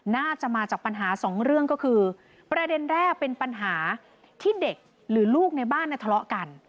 น่าจะมาจากปัญหาสองเรื่องก็คือประเด็นแรกเป็นปัญหาที่เด็กหรือลูกในบ้านทะเลาะกัน